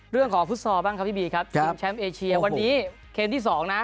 เรื่องของพุทธศาลบ้างครับพี่บีครับซึ่งแชมป์เอเชียวันนี้เกมที่๒นะ